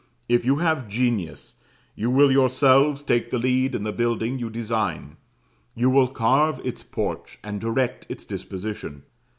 If you have genius, you will yourselves take the lead in the building you design; you will carve its porch and direct its disposition.